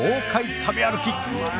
食べ歩き